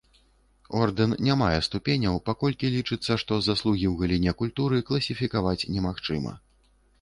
Ордэн не мае ступеняў, паколькі лічыцца, што заслугі ў галіне культуры класіфікаваць немагчыма.